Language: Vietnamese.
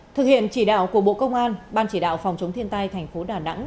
thực hiện chỉ đạo của bộ công an ban chỉ đạo phòng chống thiên tai thành phố đà nẵng